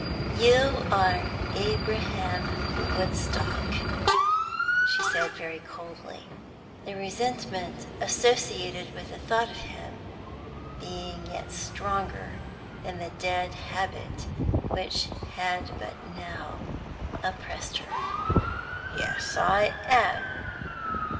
"You are Abraham Woodstock," she said very coldly, the resentment associated with the thought of him being yet stronger than the dead habit which had but now oppressed her. "Yes, I am.